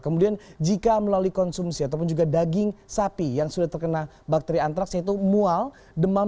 kemudian jika melalui konsumsi ataupun juga daging sapi yang sudah terkena bakteri antraks yaitu mual demam